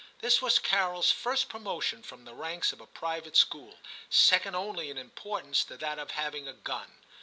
This was Carol's first promotion from the ranks of a private school, second only in importance to that of having a gun.